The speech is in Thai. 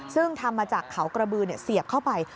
ซึ่งทำมาจากเขากระบือเสียบเข้าไป